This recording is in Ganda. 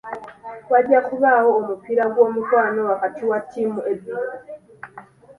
Wajja kubaawo omupiira ogw'omukwano wakati wa ttiimu ebbiri.